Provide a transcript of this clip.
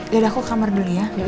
yaudah aku ke kamar dulu ya